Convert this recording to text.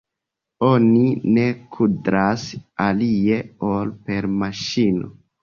Oni ne kudras alie ol per maŝino.